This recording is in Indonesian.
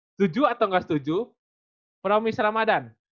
setuju atau tidak setuju promis ramadhan